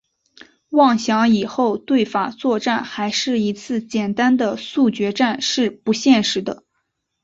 妄想以后对法作战还是一次简单的速决战是不现实的。